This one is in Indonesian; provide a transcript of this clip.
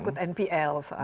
takut npl saatnya